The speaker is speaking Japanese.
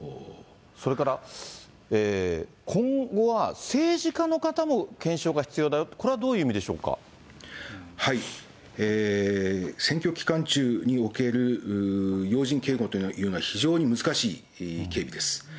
それから、今後は政治家の方も検証が必要だよ、これはどういう意味でしょう選挙期間中における要人警護というのは、非常に難しい警備です。